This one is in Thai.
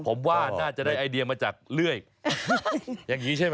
ผมว่าน่าจะได้ไอเดียมาจากเลื่อยอย่างนี้ใช่ไหม